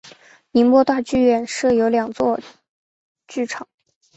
宁波大剧院设有两座剧场。